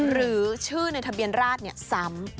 หรือชื่อในทะเบียนราชซ้ำ